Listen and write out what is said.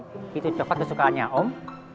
gitu cepet kesukaannya om